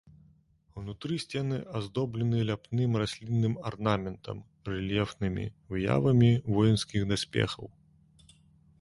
Унутры сцены аздоблены ляпным раслінным арнаментам, рэльефнымі выявамі воінскіх даспехаў.